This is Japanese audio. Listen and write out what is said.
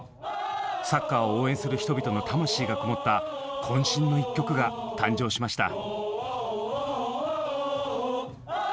サッカーを応援する人々の魂がこもった渾身の１曲が誕生しました。